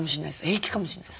平気かもしれないです。